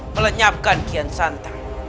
melenyapkan kian santa